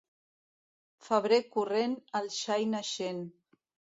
Febrer corrent, el xai naixent.